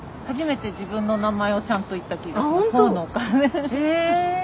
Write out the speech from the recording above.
初めて自分の名前をちゃんと言った気がする。